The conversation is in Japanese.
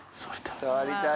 触りたい。